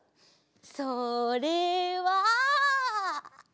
それは。